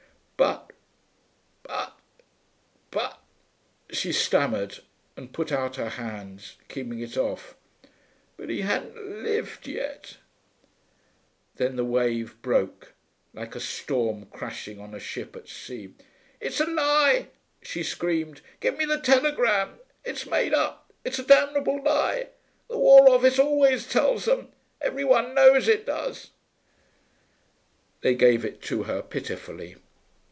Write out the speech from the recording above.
'But but but ' she stammered, and put out her hands, keeping it off 'But he hadn't lived yet....' Then the wave broke, like a storm crashing on a ship at sea. 'It's a lie,' she screamed. 'Give me the telegram.... It's made up; it's a damnable lie. The War Office always tells them: every one knows it does....' They gave it her, pitifully.